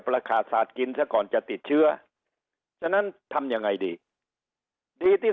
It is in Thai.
ประกาศศาสตร์กินซะก่อนจะติดเชื้อฉะนั้นทำยังไงดีดีที่